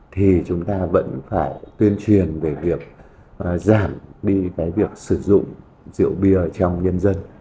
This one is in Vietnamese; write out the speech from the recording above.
thì chúng ta vẫn phải tuyên truyền về việc giảm đi cái việc sử dụng rượu bia trong nhân dân